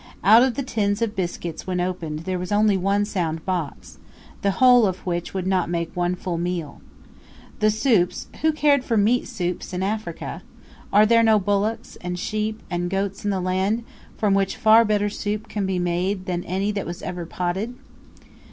Out of the tins of biscuits when opened, there was only one sound box; the whole of which would not make one full meal. The soups who cared for meat soups in Africa? Are there no bullocks, and sheep, and goats in the land, from which far better soup can be made than any that was ever potted?